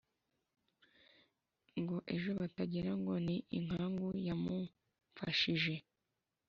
ngo ejo batagira ngo ni inkangu yamumfashije.